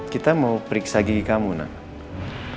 kita mau periksa gigi kamu nak